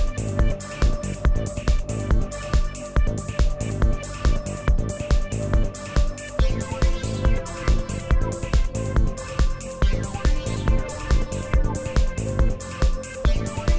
โปรดติดตามตอนต่อไป